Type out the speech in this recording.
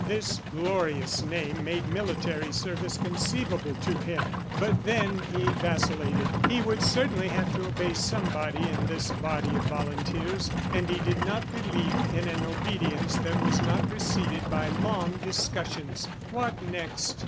This glorious name made military service conceivable to him. But then he vacillated; he would certainly have to obey somebody in this body of volunteers, and he did not believe in an obedience that was not preceded by long discussions. ... What next!